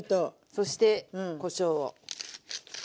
そしてこしょうを。